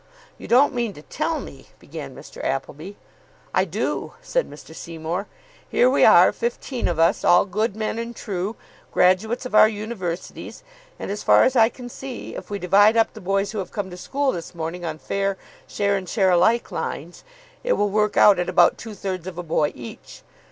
"You don't mean to tell me " began Mr. Appleby. "I do," said Mr. Seymour. "Here we are, fifteen of us, all good men and true, graduates of our Universities, and, as far as I can see, if we divide up the boys who have come to school this morning on fair share and share alike lines, it will work out at about two thirds of a boy each.